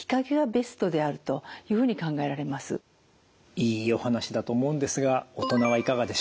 いいお話だと思うんですが大人はいかがでしょう？